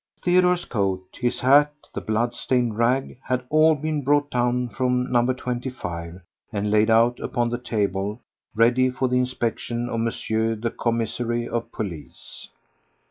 Theodore's coat, his hat, the blood stained rag, had all been brought down from No. 25 and laid out upon the table ready for the inspection of M. the Commissary of Police.